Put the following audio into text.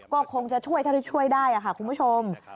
ก็คงจะช่วยเท่าที่ช่วยได้ค่ะคุณผู้ชม